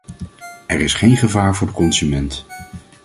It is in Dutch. Er is geen gevaar voor de consument.